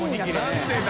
何でだ？